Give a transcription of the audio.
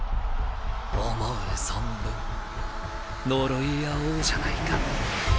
思う存分呪い合おうじゃないか。